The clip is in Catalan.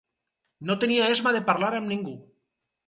No tenia esma de parlar amb ningú.